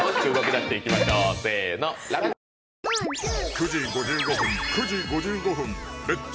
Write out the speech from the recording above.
９時５５分９時５５分「レッツ！